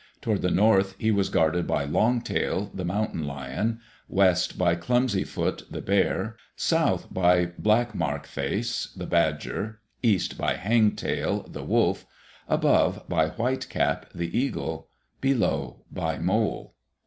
Toward the North, he was guarded by Long Tail, the mountain lion; West by Clumsy Foot, the bear; South by Black Mark Face, the badger; East by Hang Tail, the wolf; above by White Cap, the eagle; below by Mole.